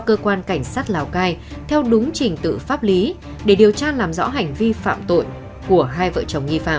cơ quan cảnh sát lào cai theo đúng trình tự pháp lý để điều tra làm rõ hành vi phạm tội của hai vợ chồng nghi phạm